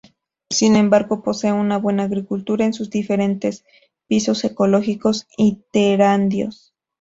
Sin embargo posee una buena agricultura en sus diferentes pisos ecológicos interandinos.